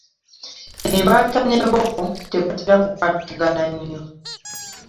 Emata n'enkoko tebatera kukwatagana nnyo